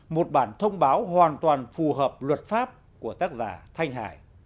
một bản thông báo hoàn toàn phù hợp luật pháp của tác giả thanh hải